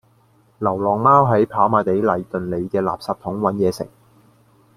流浪貓喺跑馬地禮頓里嘅垃圾桶搵野食